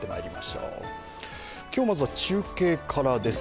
今日、まずは中継からです。